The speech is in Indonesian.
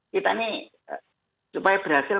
kita ini supaya berhasil